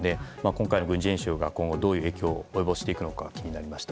今回の軍事演習が今後どのような影響を及ぼしていくのか